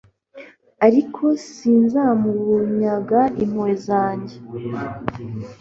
Ariko sinzamunyaga impuhwe zanjye